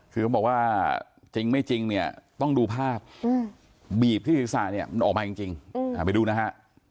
คือเขาบอกว่าจริงไม่จริงเนี่ยต้องดูภาพบีบที่ศีรษะเนี่ยมันออกมาจริงไปดูนะฮะ